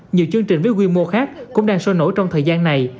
nhiều chương trình với quy mô khác cũng đang sôi nổi trong thời gian này